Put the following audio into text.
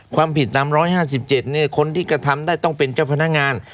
ความผิดตามร้อยห้าสิบเจ็ดนี่คนที่กระทำได้ต้องเป็นเจ้าพนักงาน